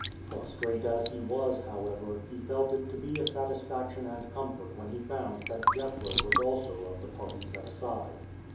Prostrate as he was, however, he felt it to be a satisfaction and comfort when he found that Jethro was also of the party set aside.